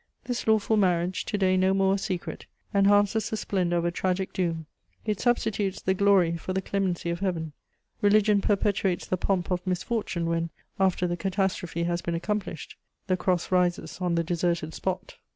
This lawful marriage, to day no more a secret, enhances the splendour of a tragic doom; it substitutes the glory for the clemency of Heaven: religion perpetuates the pomp of misfortune when, after the catastrophe has been accomplished, the cross rises on the deserted spot.